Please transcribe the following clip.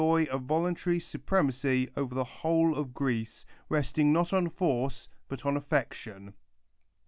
v a voluntary supremacy over the whole of Greece resting not on force but on affection.